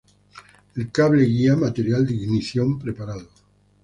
Al cable guía. Material de ignición preparado.